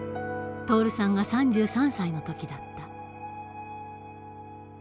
徹さんが３３歳の時だった。